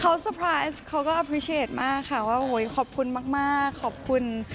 เขาสเปรรไพรส์เขาก็อัพเพริเชียสมากค่ะว่าโหยขอบคุณมากขอบคุณ